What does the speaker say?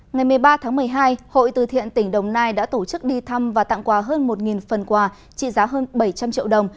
ngày một mươi ba tháng một mươi hai hội từ thiện tỉnh đồng nai đã tổ chức đi thăm và tặng quà hơn một phần quà trị giá hơn bảy trăm linh triệu đồng